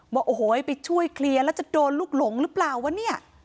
บอกโอ้โหให้ไปช่วยเคลียร์แล้วจะโดนลูกหลงหรือเปล่าวะเนี่ย